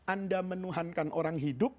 anda menuhankan orang hidup